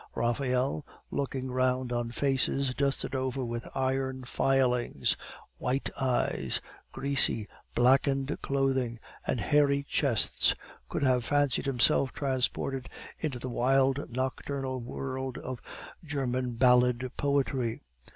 Raphael, looking round on faces dusted over with iron filings, white eyes, greasy blackened clothing, and hairy chests, could have fancied himself transported into the wild nocturnal world of German ballad poetry.